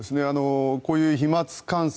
こういう飛まつ感染